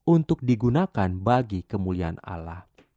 untuk digunakan bagi kemuliaan alam